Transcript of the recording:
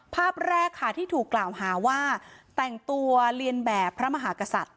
ภาพแรกค่ะที่ถูกกล่าวหาว่าแต่งตัวเรียนแบบพระมหากษัตริย์